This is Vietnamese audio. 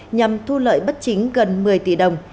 nhằm thu lợi bất chính gần một mươi tỷ đồng